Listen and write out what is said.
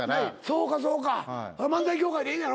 そうかそうか漫才協会でええんやろ？